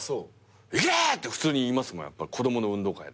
「いけ！」って普通に言いますもん子供の運動会。